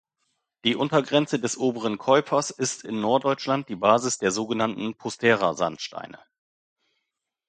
Die Untergrenze des Oberen Keupers ist in Norddeutschland die Basis der sogenannten "postera"-Sandsteine.